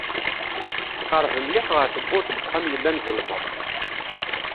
Tqerreb mliḥ ɣer tewwurt n uxxam yellan ẓelmeḍ.